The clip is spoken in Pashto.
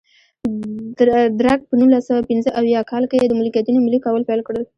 درګ په نولس سوه پنځه اویا کال کې د ملکیتونو ملي کول پیل کړل.